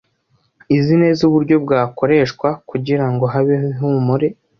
izi neza uburyo bwakoreshwa kugira ngo habeho ihumure